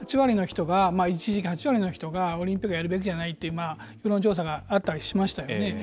一時期８割の人がオリンピックはやるべきじゃないという世論調査があったりしましたよね。